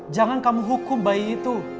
jangan kamu hukum bayi itu